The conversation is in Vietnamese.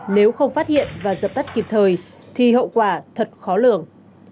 nếu không phát hiện và dập tắt kịp thời thì hậu quả thật khó lường